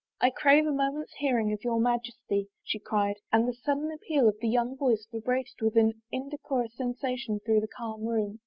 " I crave a moment's hearing of your Majesty," she cried, and the sudden appeal of the young voice vibrated with an indecorous sensation through the calm room.